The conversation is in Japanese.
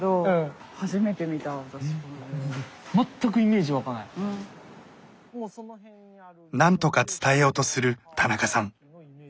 ナショナル何とか伝えようとする田中さん。